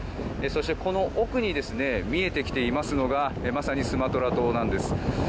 そしてこの奥に見えてきているのがまさに、スマトラ島なんです。